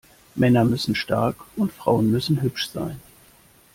Männer müssen stark und Frauen müssen hübsch sein.